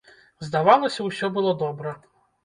Здавалася, усё было добра.